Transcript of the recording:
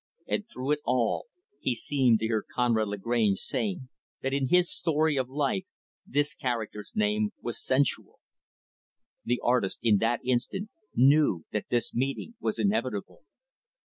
And, through it all, he seemed to hear Conrad Lagrange saying that in his story of life this character's name was "Sensual." The artist, in that instant, knew that this meeting was inevitable.